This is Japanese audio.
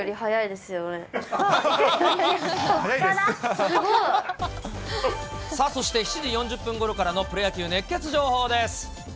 すごい。さあそして、７時４０分ごろからのプロ野球熱ケツ情報です。